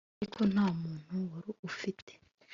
ariko nta muntu wari ufite